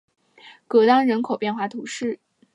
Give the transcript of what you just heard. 戈当人口变化图示